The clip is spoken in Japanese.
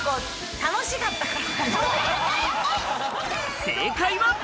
楽しかったから。